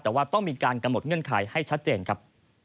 แต่ว่าต้องมีการกำหนดเงื่อนไขให้ชัดเจนครับ